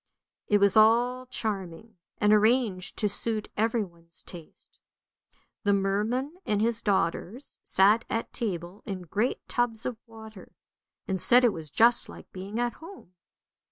It was all charming, and arranged to suit everyone's taste. The merman and his daughters sat at table in great tubs of water, and said it was just like being at home.